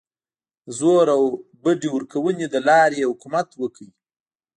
د زور او بډې ورکونې له لارې یې حکومت وکړ.